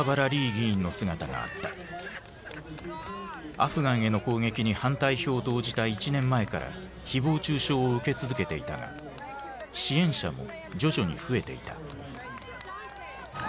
アフガンへの攻撃に反対票を投じた１年前から誹謗中傷を受け続けていたが支援者も徐々に増えていた。